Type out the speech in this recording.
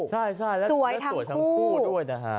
ใช่แล้วสวยทั้งคู่ด้วยนะฮะ